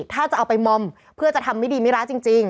ถ้าจะเอาไปมอมเพื่อจะทำไม่ดีไม่ร้ายจริง